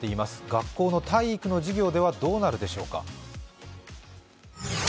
学校の体育の授業ではどうなるでしょうか。